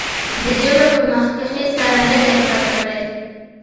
د جبر پۀ مخکښې سر نه دے ښکته کړے